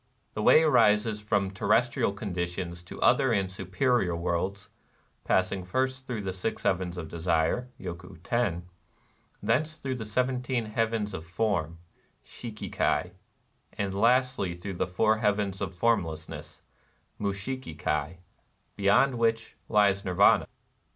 The way rises from terrestrial conditions to other and superior worlds, — passing first through the Six Heavens of Desire {Yoku Teri) ;— thence through the Seventeen Heavens of Form (^BMM Kai) \— and lastly through the Four Heavens of Formlessness (Mushiki Kai)^ beyond which lies Nirvana.